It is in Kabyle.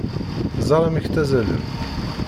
Ẓer amek ttazzalen!